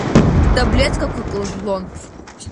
Таблеткақәак лыжәлон.